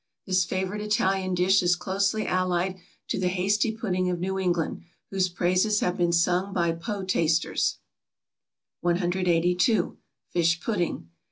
This favorite Italian dish is closely allied to the hasty pudding of New England, whose praises have been sung by poe tasters. 182. =Fish Pudding.